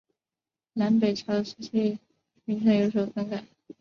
南北朝时期名称有所更改。